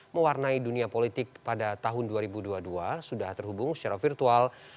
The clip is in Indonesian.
mewarnai dunia politik pada tahun dua ribu dua puluh dua sudah terhubung secara virtual